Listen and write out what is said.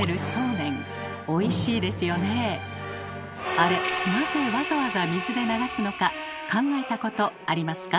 あれなぜわざわざ水で流すのか考えたことありますか？